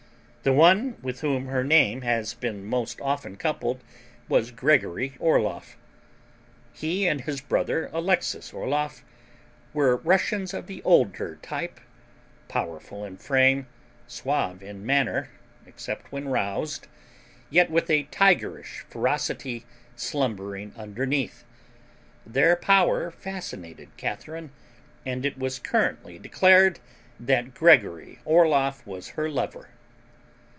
The one with whom her name has been most often coupled was Gregory Orloff. He and his brother, Alexis Orloff, were Russians of the older type powerful in frame, suave in manner except when roused, yet with a tigerish ferocity slumbering underneath. Their power fascinated Catharine, and it was currently declared that Gregory Orloff was her lover.